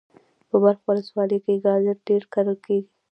په بلخ ولسوالی کی ګازر ډیر کرل کیږي.